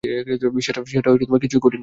সেটা কিছুই কঠিন নয়।